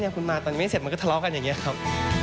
คุณมาตอนนี้เสร็จมันก็ทะเลาะกันอย่างนี้ครับ